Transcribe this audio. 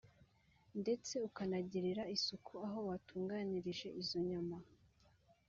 ndetse ukanagirira isuku aho watunganirije izo nyama